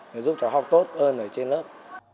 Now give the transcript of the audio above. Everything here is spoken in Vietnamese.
để giúp cháu học tốt hơn ở trên lớp